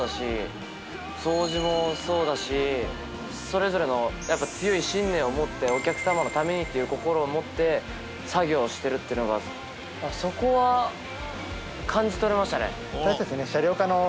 それぞれの強い信念を持ってお客様のためにっていう心を持って作業をしてるのがそこは感じ取れましたね。